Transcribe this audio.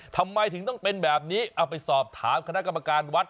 ทำไมถึงต้องเป็นแบบนี้เอาไปสอบถามคณะกรรมการวัด